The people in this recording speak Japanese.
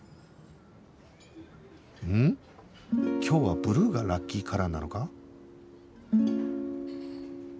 今日はブルーがラッキーカラーなのか？